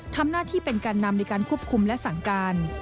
ทำหน้าที่เป็นแก่นนำในการควบคุมและสั่งการ